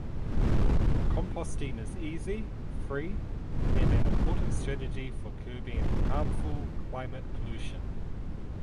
Composting is easy, free, and an important strategy for curbing harmful climate pollution.